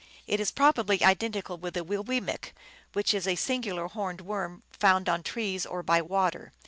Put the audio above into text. It is probably identical with the Wiwillmekq (P. and Pen.), which is a singu lar horned worm found on trees or by water.